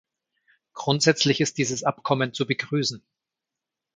Grundsätzlich ist dieses Abkommen zu begrüßen.